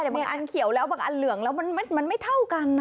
แต่บางอันเขียวแล้วบางอันเหลืองแล้วมันไม่เท่ากันนะ